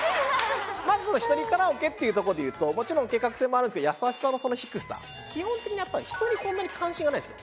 まず１人カラオケっていうところでいうともちろん計画性もあるんですけど優しさの低さ基本的にやっぱり人にそんなに関心がないです